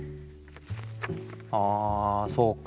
あそうか。